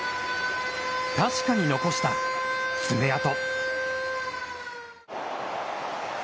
確かに残した爪跡。